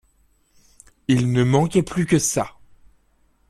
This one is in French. Il ne manquait plus que ça.